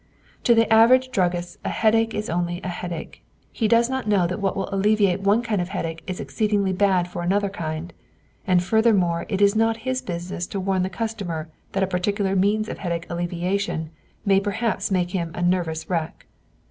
To the average druggist a headache is only a headache; he does not know that what will alleviate one kind of headache is exceedingly bad for another kind, and furthermore it is not his business to warn the customer that a particular means of headache alleviation may perhaps make him a nervous wreck.